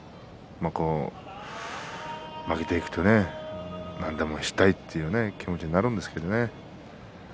負けていくと何でもしたいという気持ちになるんですけどね。